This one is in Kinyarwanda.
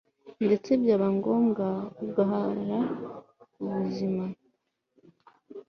ndetse byaba ngombwa ugahara ubuzima